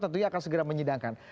tentunya akan segera menyedangkan